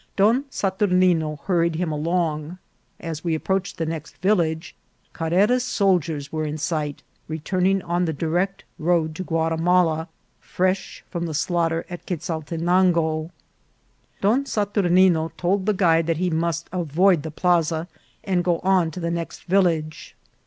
Don Saturnino hurried him along ; as we approached the next village Carrera's soldiers were in sight, returning on the direct road to Guatimala, fresh from the slaughter at Quezaltenango. Don Saturnino told the guide that he must avoid the plaza and go on to the next village.